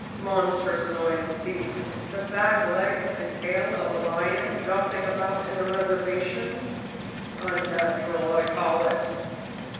Monstrous annoying to see the back legs and tail of a lion jumping about in the res¬ ervation. Unnatural, I call it."